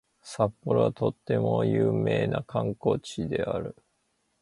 札幌はとても有名な観光地である